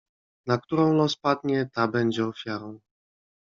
"Na którą los padnie, ta będzie ofiarą."